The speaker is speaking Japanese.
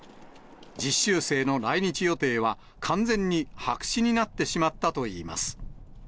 実習生の来日予定は、完全に白紙になってしまったといいます。